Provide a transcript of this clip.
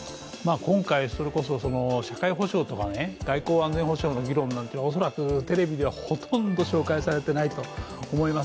今回、社会保障とか外交安全保障の議論は恐らく、テレビではほとんど紹介されてないと思います。